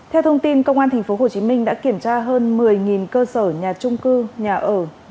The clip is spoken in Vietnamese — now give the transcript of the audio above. theo thông tin công an tp hcm đã kiểm tra hơn một mươi cơ sở nhà trung cư nhà ở